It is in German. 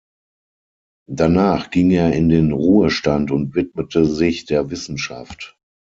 Danach ging er in den Ruhestand und widmete sich der Wissenschaft.